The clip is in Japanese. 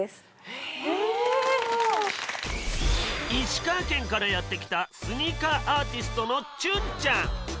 石川県からやって来たスニーカーアーティストのちゅんちゃん。